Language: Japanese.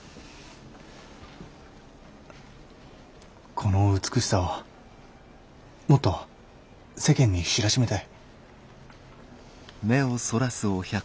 この美しさをもっと世間に知らしめたい。